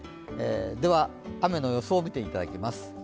では雨の予想、見ていただきます。